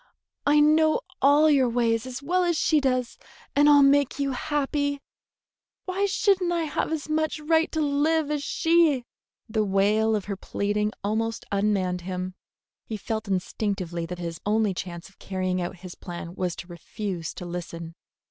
I know all your ways as well as she does, and I'll make you happy. Why should n't I have as much right to live as she?" The wail of her pleading almost unmanned him. He felt instinctively that his only chance of carrying through his plan was to refuse to listen.